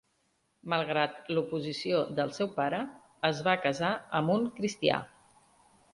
Malgrat l'oposició del seu pare, es va casar amb un cristià.